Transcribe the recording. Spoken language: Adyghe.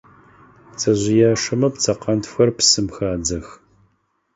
Пцэжъыяшэмэ пцэкъэнтфхэр псым хадзэх.